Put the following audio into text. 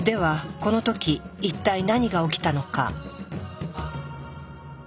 この時一体何が起きたのか？